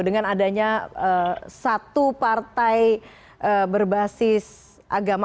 dengan adanya satu partai berbasis agama